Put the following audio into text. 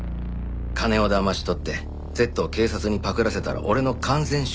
金を騙し取ってＺを警察にパクらせたら俺の完全勝利だ。